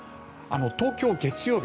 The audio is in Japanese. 東京、月曜日